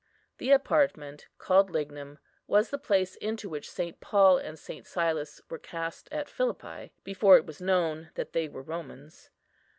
The apartment, called Lignum, was the place into which St. Paul and St. Silas were cast at Philippi, before it was known that they were Romans.